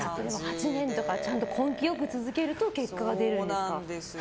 ８年とか根気よく続けると結果が出るんですか。